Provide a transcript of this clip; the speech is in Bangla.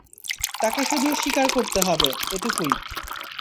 তাকে শুধু স্বীকার করতে হবে, এটুকুই।